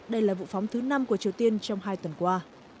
đây là vụ phóng thứ năm của triều tiên trong hai tuần qua